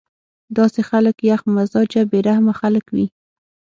داسې خلک يخ مزاجه بې رحمه خلک وي